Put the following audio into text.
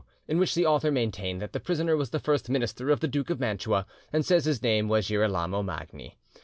in which the author maintained that the prisoner was the first minister of the Duke of Mantua, and says his name was Girolamo Magni.